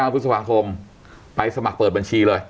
พฤษภาคมไปสมัครเปิดบัญชีเลย